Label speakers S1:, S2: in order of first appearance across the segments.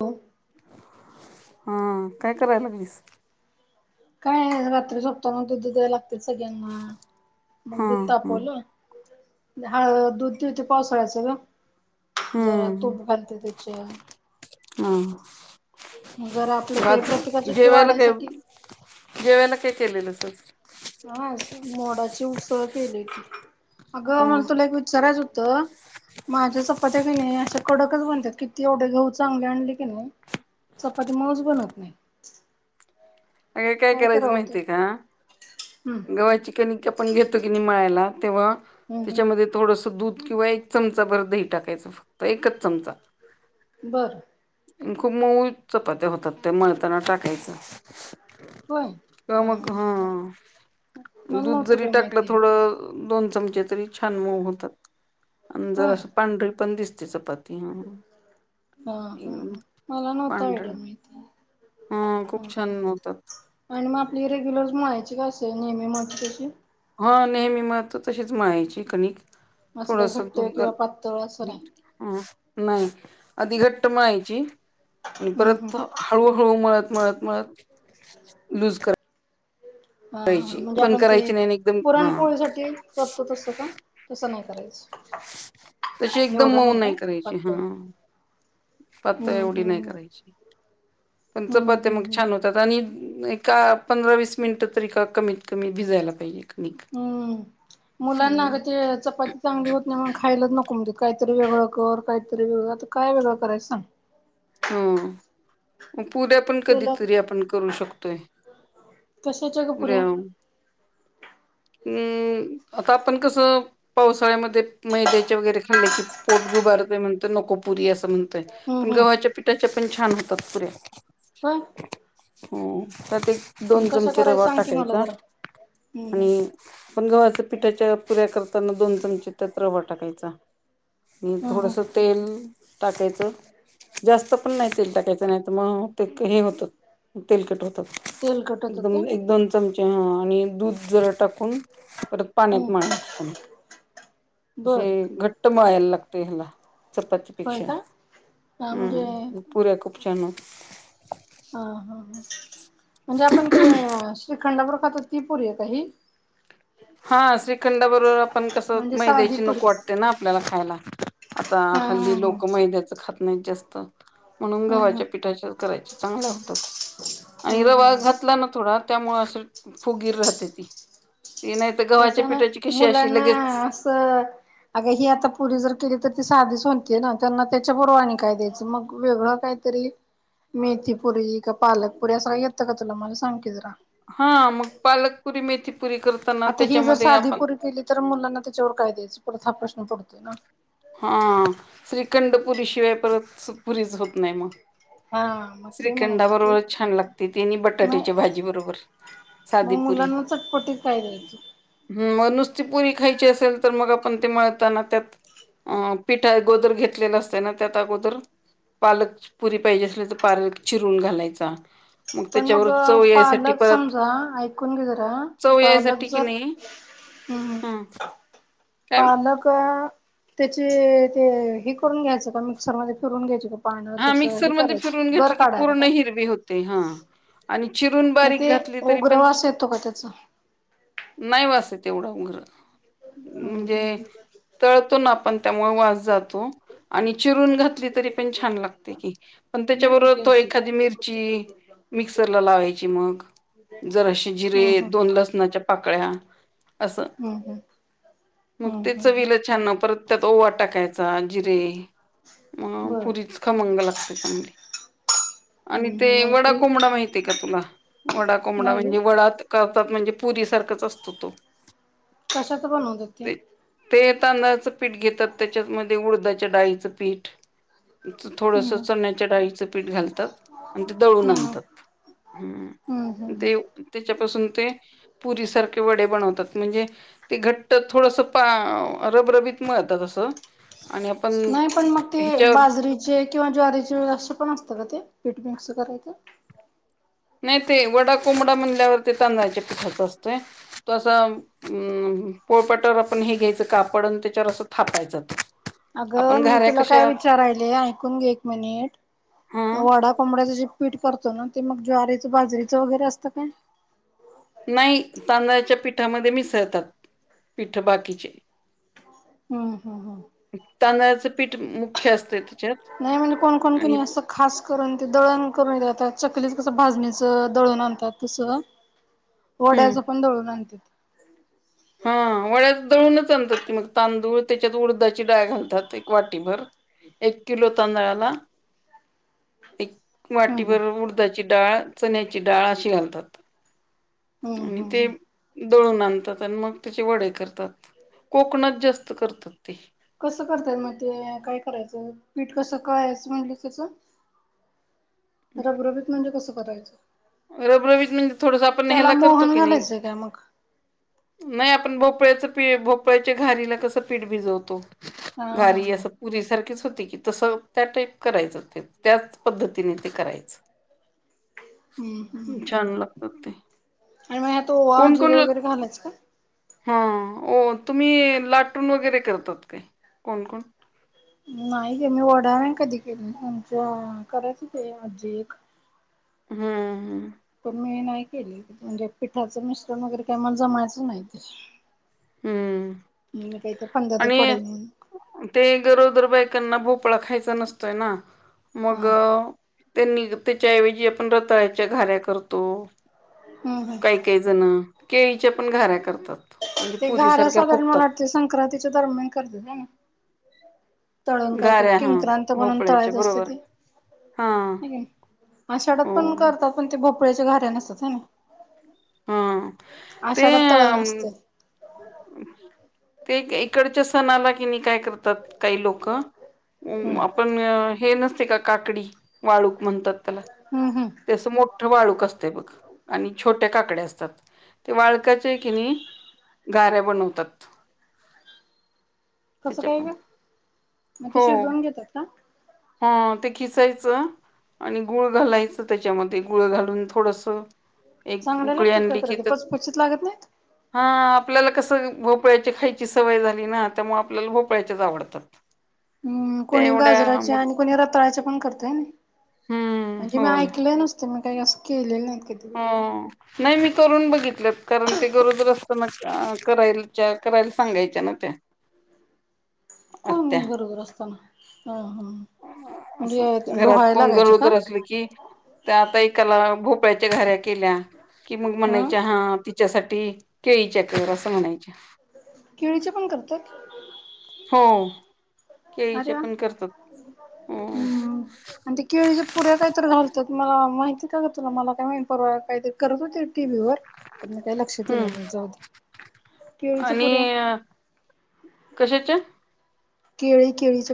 S1: हो.
S2: हा काय कराय लागलीस.
S1: काय रात्री झोपताना दुधअ द्यायला लागतय सगळ्यांना.
S2: हा
S1: मग दूध
S2: हा
S1: तापवलं हळ दूध ठिवती पावसाळ्याचं ग. जरा
S2: हम्म
S1: तूप घालते त्याच्या.
S2: हा.
S1: आपलं ते
S2: भात
S1: प्रतिकारशक्ती
S2: जेवायला काय,
S1: वाढायसाठी
S2: जेवायला काय केलेलंस आज?
S1: आज मोडाची उसळ केलेली अगं
S2: हा
S1: मला तुला एक विचारायच हो. तो. माझ्या चपात्या क नाय अशा कडकच बनतात किती एवढे गहू चांगले आणले क नाय. चपाती मऊज बनत नाही.
S2: अग काय करायचं
S1: करावं ते
S2: माहितीय का?
S1: हम्म
S2: गव्हाची कणिक आपण घेतो की नाही मळायला तेव्हा
S1: हम्म
S2: त्याच्यामध्ये
S1: हम्म
S2: थोडस दूध. किंवा एक चमचा ब भर दही टाकायच फक्त एकच चमचा.
S1: बरं.
S2: खूप मऊ चपात्या होतात ते मळताना टाकायचं.
S1: होय
S2: का
S1: हा
S2: मग
S1: हा
S2: हां.
S1: मला
S2: दूध
S1: नव्हतं
S2: जरी
S1: बाई
S2: टाकलं
S1: माहिती
S2: थोडं दोन चमचे तरी छान मऊ होतात. आणि जरा
S1: होय
S2: असं पांढरी पण दिसते चपाती हां.
S1: हां हां हां मला नव्हत
S2: पांढऱ्या
S1: आयडिया माहिती.
S2: हं खूप छान होतात.
S1: आणि मग आपली रेग्युलर मळायची का अस नेहमी मळतो अशी?
S2: हां नेहमी मळतो तशीच मळायची कणिक.
S1: असं काही
S2: थोडस
S1: घट्ट
S2: तुप
S1: किंवा
S2: घाल
S1: पातळ असं नाही
S2: मीठ. नाही आधी घट्ट मळायची. आणि
S1: हम्म
S2: परत
S1: हम्म
S2: हळूहळू मळत मळत मळत लूज करा.
S1: हां हां म्हणजे आपण ते
S2: नाही आणि एकदम हा
S1: पुरणपोळी साठी करतो तसं का? तसं नाही. करायचं.
S2: तशी एकदम
S1: एवढं
S2: मऊ
S1: काय
S2: नाही करायची
S1: पातळ
S2: हां पातळ
S1: हम्म
S2: एवढी नाही
S1: हम्म
S2: करायची. पण
S1: हम्म
S2: चपात्या मग
S1: हम्म
S2: छान होतात आणि एका पंधरा वीस मिनिटं तरी का कमीत कमी भिजायला पाहिजे क
S1: हम्म मुलांना अगं ते चपाती चांगली होत नाही मग खायलाच नक को म्हणतात काहीतरी वेगळं कर काहीतरी वेगळं आता काय वेगळं करायचं सांग.
S2: हम्म मग पुऱ्या पण
S1: तुला
S2: कधीतरी आपण करू शकतोय.
S1: कशाच्या ग पुऱ्या?
S2: अम्म आता आपण कसं पावसाळ्यामध्ये मैद्याचे वगैरे खाल्ले की पोटगुबार तय म्हणतोय नको पुरी अस म्हणतोय
S1: हम्म
S2: पण
S1: हम्म
S2: गव्हाच्या पिठाच्या छान होतात पुऱ्या.
S1: होय.
S2: हो त्यात एक दोन
S1: कसं
S2: चमचे
S1: करायच
S2: रवा
S1: सांग की मला
S2: टाकायचा.
S1: जरा हम्म हम्म
S2: आणि आपण गव्हाच्या पिठाच्या पुऱ्या करताना दोन चमचे त्यात रवा टाकायचा आणि
S1: हम्म हम्म
S2: थोडस तेल टाकायचं. जास्त पण नाही तेल टाकायचं नाही तर मग ते हे होतं तेलकट होत.
S1: तेलकट होतं ते
S2: एकदम एक दोन चमचे हां आणि दूध जरा टाक. कून परत पाण्यात
S1: हम्म
S2: मळायची कणिक
S1: बर
S2: अशी घट्ट मळालायला ला गतंय ह्याला चपाती
S1: होय
S2: पेक्षा
S1: का हा म्हणजे
S2: पुऱ्या खूप छान होत.
S1: हां हां हां म्हणजे आपण ते श्रीखंड बरोबर. खातो ती पुरी आहे का ही?
S2: हां श्रीखंडा बरोबर आपण कसं
S1: म्हणजे साधी
S2: मैद्याची नको
S1: पुरी
S2: वाटते ना आपल्याला खायला. आता
S1: हा हा
S2: हल्ली
S1: हा हम्म
S2: लोकं मैद्याचं खात नाहीत जास्त. म्हणून
S1: हम्म
S2: गव्हाच्या पिठाच्या करायच्या चांगल्या होतात आणि
S1: हम्म
S2: रवा
S1: हम्म
S2: घातला ना थोडा त्यामुळे असं फुगीर राहते ती. ते नाही तर गव्हाच्या
S1: तसं नाई
S2: पिठाची कशी अशी
S1: मुलांना
S2: लगेच
S1: असं. अग ही आता पुरी जर केली तर ती साधीच हो ते ना त्यांना त्याच्या बरोबर आणि काय द्यायचं मग वेगळं काहीतरी मेथीपुरी का पालकपुरी असं का येतं का तुला मला सांग की जरा
S2: हां मग पालकपुरी मेथी
S1: आता ही जर साधी पुरी केली तर मुलांना त्याच्यावर काय द्यायचं परत हा प्रश्न पडतोय ना.
S2: हां श्रीखंडपुरी शिवाय परत पुरीच होत नाही मग.
S1: हा मग ते
S2: श्रीखंडा
S1: म्हणाले की
S2: बरोबर छान लागते ते आणि
S1: नाही
S2: बटाट्याच्या भाजी बरोबर सा
S1: मग मुलांना चटपटीत काय द्यायच?
S2: हम्म मग नुसती पुरी खायची असेल तर मग आपण ते मळताना त्यात. अं पिठ अगोदर घेतलेला असतय ना त्यात अगोदर. पालक पुरी पाहिजे असली तर पालक चिरून घालायचा.
S1: पण मग
S2: त्याच्यावर चव यायसाठी
S1: पालक
S2: परत
S1: समजा ऐकून घे जरा
S2: चव
S1: पालक
S2: यायसाठी की
S1: जर
S2: नाही
S1: हम्म.
S2: ह काय
S1: पालक त्याचे ते हे करून घ्यायचं का मिक्सरमध्ये फिरून घ्यायच का? पानं
S2: हा
S1: त्याचं हे
S2: मिक्सरमध्ये
S1: करायचं
S2: फिरून
S1: गर
S2: घेतलं की
S1: काढायचं
S2: पूर्ण
S1: का
S2: हिरवी होते हा आणि चिरून
S1: मग
S2: बारीक
S1: ते
S2: घातली तरी पण,
S1: उग्रवास येतो का त्याचा
S2: नाही वास येत. तेवढा उग्र.
S1: हम्म
S2: म्हणजे
S1: हम्म.
S2: तळतो ना आपण त्यामुळे वास जातो, आणि चिरून घातली तरी पण छान लागते की पण त्याच्याबरोबर तो एखादी मिरची मिक्सरला लावायची मग जराशे
S1: हम्म हम्म
S2: जिरे
S1: हम्म
S2: दोन लसणाच्या पाकळ्या असं
S1: हम्म हम्म
S2: मग ते
S1: हम्म हम्म
S2: चवीला छान ना परत त्यात ओवा टाकाय चा जिरे मग
S1: बरं
S2: पुरीच खमंग लागते चांगली. आणि
S1: हम्म
S2: ते
S1: हम्म
S2: वडा
S1: म्हणजे
S2: कोंबडा माहितीय का तुला? वडा कोंबडा
S1: नाही ग
S2: म्हणजे वडा म्हणजे पुरी सारखाच असतो तो.
S1: कशाचं बनवतात ते?
S2: ते तांदळाचं पीठ घेतात त्याच्यामध्ये उडदाच्या डाळीचं पीठ.
S1: हम्म
S2: थोडसं
S1: हम्म
S2: चण्याच्या डाळीचं पीठ घालतात आणि ते दळून
S1: हम्म
S2: आणतात. हम्म ते त्याच्यापासून ते पुरीसारखे वडे बनवतात म्हणजे ते घट्ट थोडंसं पा रबरबीत मिळतात असं. आणि आपण ह्याच्यावर
S1: जे किंवा ज्वारी चे असे पण असतं का ते पीठ मिकस करायचं?
S2: नाही ते वडा कोंबडा म्हणल्यावर ते तांदळाच्या पिठाचा असतोय, तो असा पोळपाटावर आपण हे घ्यायचं कापड आणि त्याच्यावर असं थापायचा तो.
S1: अगं मी तुला काय विचारायले ऐकून घे एक मिनिट.
S2: हा
S1: वडा कोंबडाच जे पीठ करतो ना ते मग ज्वारीच बाजरीचं वगैरे असतं काय?
S2: नाही तांदळाच्या पिठामध्ये मिसळतात पिठं बाकीचे.
S1: हम हा हा.
S2: तांदळाचं पीठ मुख्य असतं त्याच्यात
S1: नाही म्हणजे कोणकोण की
S2: आणि
S1: नाही असं खास करून ते दळण करुन घेतात चकलीच कसं भाजणीच दळून आणतात तसं. वड्याचं पण दळून आणतेत.
S2: हा वड्याच दळूनच आणतात की मग तांदूळ त्याच्यात उडदाची डाळ घालतात एक वाटीभर एक किलो तांदळाला एक
S1: हम्म हम्म
S2: वाटीभर उडदाची डाळ, चण्याची डाळ अशी घालतात.
S1: हा
S2: आणि
S1: हा
S2: ते
S1: हा.
S2: दळून आणतात आणि मग त्याचे वडे करतात, कोकणात जास्त करतात ते
S1: कसं करतय मग ते काय करायचं पीठ कसं कयाचं म्हणलीस त्याच. रबरबीत म्हणजे कसं करायचं?
S2: रबरबीत म्हणजे थोडंसं आपण
S1: त्याला
S2: ह्याला करतो
S1: मोहन
S2: की नाही,
S1: घालायचंय काय मग
S2: नाही आपण भो पळ्याच प भोपळ्याच्या घारीला कसं पीठ भिजवतो,
S1: हा हा
S2: घारी
S1: हा
S2: असं पुरी सारखीच. होते की तसं त्या टाईप करायचं ते त्याच पद्धतीने ते करायचं.
S1: हम्म हम्म
S2: छान लागत ते.
S1: आणि मग ह्यात ओवा,
S2: कोण
S1: जीरे
S2: कोण
S1: वगैरे घालायच का?
S2: हा तुम्ही लाटून वगैरे करतात काय कोण कोण?
S1: नाही गं मी वडा नाही कधी केले आमच्या करायच ते आजी एक.
S2: हा हा.
S1: पण मी नाही केली म्हणजे पिठाचं मिश्रण वगैरे काय मला जमायचं नाही ते.
S2: हम्म
S1: मी ना काही तर
S2: आणि ते गरोज तर बायकांना भोपळा खायचा नसतोय ना
S1: हा
S2: मग त्यांनी त्याच्या ऐवजी आपण रताळ्याच्या घाऱ्या करतो
S1: हम्म
S2: काही
S1: हम्म
S2: काही जण केळीच्या पण घाऱ्या करतात म्हणजे
S1: ते घार्या
S2: पुरीसारख्या
S1: साधारण
S2: फुगतात
S1: मला वाटतें संक्रांतीचा दरम्यान करतात ना तळून काय तर
S2: घाऱ्या हा
S1: किंक्रांत म्हणून
S2: भोपळ्याच्या
S1: तळायच असतें
S2: बरोबर हा
S1: ते आषाढात पण
S2: हो
S1: करतात पण ते भोपळ्याच्या घाऱ्या नसतात ह ना
S2: हा ते
S1: आषाढात तळण
S2: अ
S1: असते.
S2: ते इकडच्या सण आला कि नाही काय करतात काही लोक
S1: हम्म
S2: आपण हे नसते का काकडी वाळू म्हणतात त्याला
S1: हम्म हम्म
S2: तेस मोठं वाळूक असत बघ आणि छोट काकडे असतात ते वाळका्याच्या किणी गार्या बनवतात.
S1: कसं
S2: त्याच्या
S1: काय
S2: पण
S1: का मग ते
S2: हो
S1: शिजवून घेतात का
S2: हा ते खिसायचं आणि गुळ घालायचं त्याच्यामध्ये गुळ घालून थोडंसं एक
S1: चांगले
S2: उकळी
S1: लागतात का
S2: आणली
S1: खरं ते
S2: त
S1: पचपचीत लागत नाहीत?
S2: हा आपल्याला कसं भोपळ्याची खायची सवय झाली ना त्यामुळे आपल्याला भोपळ्याच्याच आवडतात
S1: हम्म
S2: त्या
S1: कोणी
S2: एवढ्या
S1: गाजराचे
S2: मग
S1: आणि कोणी रतळायच पण करतेय ना
S2: हम्म
S1: म्हणजे मी ऐकले नुसतं मी काही असं केलेलं नाही
S2: हम्म नाही मी करून बघितलंत कारण ते गरोदरस्त मग कराय करायला सांगायच्या ना ते
S1: कोण गरोदर असताना हम ह
S2: असं
S1: म्हणजे
S2: घरात
S1: डोहाळे
S2: कोण
S1: लागायचे का?
S2: गरोदर असले की त्या आता एक कला भोपळ म्हणजे घारया केल्या
S1: ह
S2: कि त्यासाठी केळीक असं म्हणायच्या
S1: केळीचे पण करतात
S2: हो
S1: अरे
S2: केळीच्या
S1: वा
S2: पण करतात हो
S1: हम्म आणि ते केळीच्या पुऱ्या काहीत घालत तर मला माहिती का तुला मला काय माहिती परवा काही करत होते टीव्ही वर म काही लक्षात येईल
S2: हम्म.
S1: नाही म्हण केळीच पुऱ्या
S2: कशाचा
S1: केळी केळी च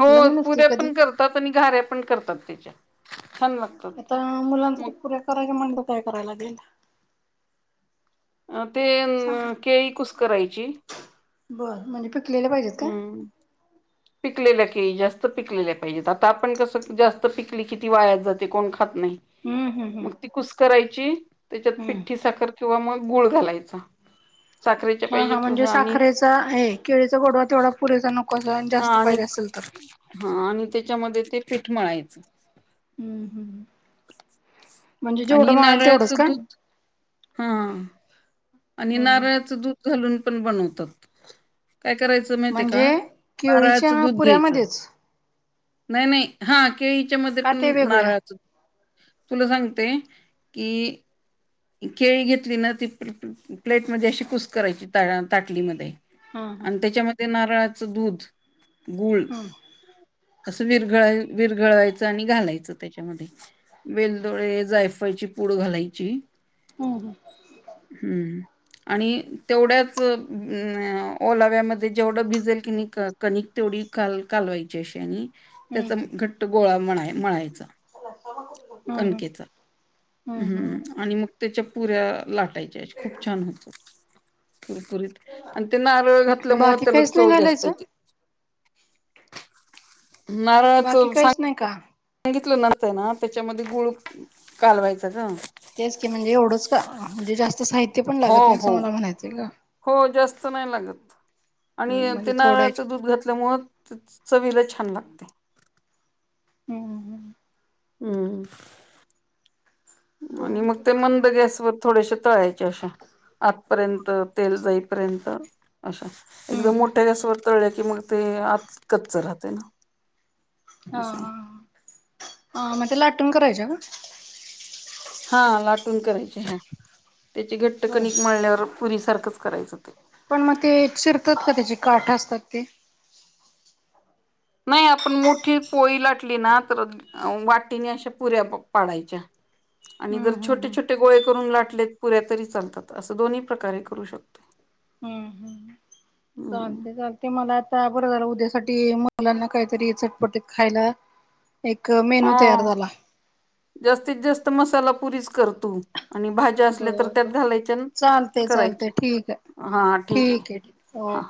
S2: हो पुऱ्या पण करतात आणि गाऱ्या पण करतात त्याच्या छान लागतात
S1: आता मुलांसाठी
S2: मग
S1: पुऱ्या करायच्या म्हणत काय करायला लागेल
S2: ते
S1: सांग
S2: केळी कुस करायची
S1: बरं म्हण
S2: हम्म पिकलेलं केळी जास्त पिकलेल्या पाहिजेत आता आपण कसं जास्त पिकली किती वायात जाते कोण ख
S1: हम्म हम्म
S2: मग
S1: हम्म
S2: ती कुस करायची त्याच्यात
S1: हम्म
S2: पिठठी साखर किंवा मग गुळ घालायचा साखरेच्या
S1: हा
S2: पाहिजे
S1: हा
S2: तसं
S1: म्हणजे
S2: आणि
S1: साखरेचा हे केळीचा गोडवा तेवढा पुरेसा नको असा
S2: हा
S1: जास्त
S2: आणि
S1: पाहिजे असेल तर
S2: हा आणि त्याच्यामध्ये ते पिठ मळ आहेत. अ्
S1: हम्म हम्म म्हणजे
S2: आणि
S1: जेवढं मळेल तेवढंच
S2: नारळाचं
S1: का
S2: दूध हा आणि
S1: हम्म
S2: नारळाचं दूध घालून पण बनवतात.
S1: ह
S2: काय करायचं माहितेय का नारळाचं
S1: केळीच्या
S2: दूध घ्यायचं.
S1: पुऱ्यामध्येच
S2: नाही नाही हा केळीच्या मध्ये
S1: का
S2: पण
S1: ते वेगळ्या
S2: नारळाच तुला सांगते. की, केळी घेतली ना ती प्लेट मध्ये अशी कूस्करायची ताटलीमध्ये
S1: हम्म
S2: आणि त्याच्यामध्ये नारळाचं दूध, गूळ,
S1: हम्म
S2: असं विरघळ विरघळावायचं आणि घालायचं त्याच्यामध्ये बेलदोळे, जायफळची पूड घालायची.
S1: हम्म हम्
S2: हम्म आणि तेवढ्याच अम आ.. ओलाव्यामध्ये जेवढं भिजल कीनयी कनीक तेवढी काल कालवायची अशी आणि
S1: हम्म
S2: त्याचा
S1: हम्म
S2: घट्ट गोळा मळा मळायचा.
S1: हम्म हम्म
S2: कणकेचा ह
S1: हम्म हम्म
S2: आणि मग त्याच्या पुऱ्या लाटायच्या अश्या खूप छान होतात. कुरकुरीत आणि ते नारळ घातल्यामुळे
S1: बाकी
S2: त्याला
S1: काहीच नाही
S2: चव जास्त
S1: घालायचं
S2: येते. [inaudible] नारळाच
S1: बाकी
S2: सा
S1: काहीच नाही का
S2: सांगितलं न्हवत ना त्याच्यामध्ये गुळच कालवायच
S1: तेच की म्हणजे एवढंच का म्हणजे जास्त साहित्य पण
S2: हो
S1: लागत नाही असं
S2: हो
S1: मला म्हणायचंय ग
S2: हो जास्त नाही लागत आणि
S1: म्हणजे
S2: ते
S1: थोडं
S2: नारळाच दूध घातल्यामुळे चवीला छान लागते.
S1: हम् हम् हम्
S2: हम् आणि मग ते मंद गॅसवर. थोडेसे तळायचे अशा आतपर्यंत तेल जाईपर्यंत अशा एकदम
S1: हम्म
S2: मोठ्या गॅसवर तळले की मग ते आत कच्च राहतं ना.
S1: हा
S2: असं आहे.
S1: हा ह मग ते लाटून करायच का?
S2: हा लाटून करायचे ह त्याचे घट्ट
S1: होय
S2: कणिक मळल्यावर पुरीसारख च करायचं ते.
S1: पण मग ते चिरतात का त्याचे काठ असतात ते?
S2: नाही आपण मोठी पोळी लाटली ना तर अ वाटीने अशा पुऱ्या प. पाडायच्या आणि
S1: हम्म
S2: जर
S1: हम्म
S2: छोटे
S1: हम्म
S2: छोटे गोळे करून लाटलेत पुऱ्या तरी चालतात असं दोन्ही प्रकारे करू शकतो. [inaudible]
S1: चालतय चालतय मला आता बरं झालं उद्या साठी मुलांना काहीतरी चटपटीत खायला. एक
S2: हा
S1: मेनू तयार झाला
S2: जास्तीत जास्त मसाला पुरीच कर तू आणि भाज्या असल्या तर
S1: बर बर
S2: त्यात घालायच्या आणि
S1: चालते चालते
S2: करायच्या,
S1: ठीक आहे
S2: हा ठीक आहे हा.